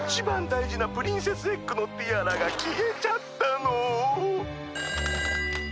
だいじなプリンセスエッグのティアラがきえちゃったの！